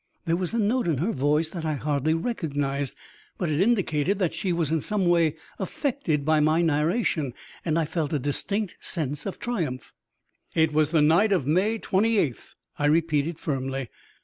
There was a note in her voice that I hardly recognized, but it indicated that she was in some way affected by my narration, and I felt a distinct sense of triumph. "It was the night of May twenty eighth," I repeated firmly.